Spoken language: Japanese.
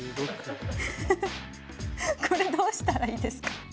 これどうしたらいいですか？